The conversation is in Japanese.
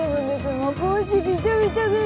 もう帽子びちゃびちゃです。